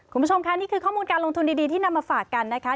คุณผู้ชมค่ะนี่คือข้อมูลการลงทุนดีที่นำมาฝากกันนะคะ